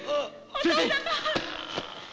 お父様！